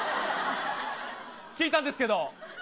聞いたんですけど。